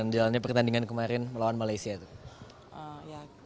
jalan pertandingan kemarin melawan malaysia